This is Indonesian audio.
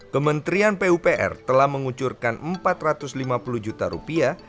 kementerian pupr telah menguncurkan empat ratus lima puluh juta rupiah